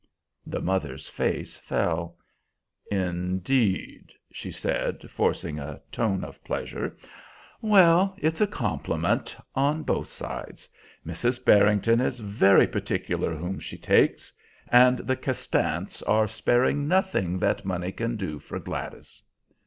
The mother's face fell. "Indeed!" she said, forcing a tone of pleasure. "Well, it's a compliment on both sides. Mrs. Barrington is very particular whom she takes, and the Castants are sparing nothing that money can do for Gladys."